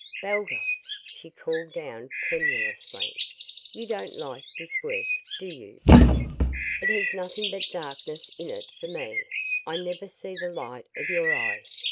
"Baldos," she called down tremulously, "you don't like this work, do you?" "It has nothing but darkness in it for me. I never see the light of your eyes.